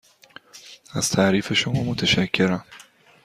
از تعریف شما متشکرم.